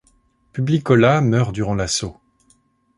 Publicola meurt durant l'assaut.